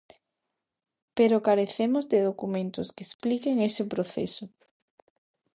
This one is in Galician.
Pero carecemos de documentos que expliquen ese proceso.